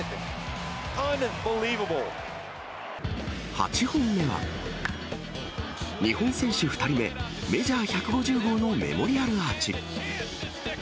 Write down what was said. ８本目は、日本選手２人目、メジャー１５０号のメモリアルアーチ。